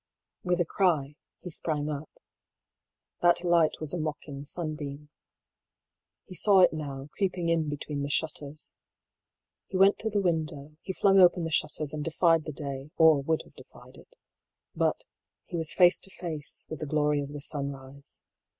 With a cry, he sprang up. That light was a mocking sunbeam. He saw it now, creeping in between the shutters. He went to the window, he flung open the shutters and defied the day, or would have defied it. But he was face to face with the glory of the sunrise.